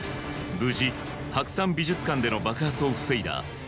無事白山美術館での爆発を防いだ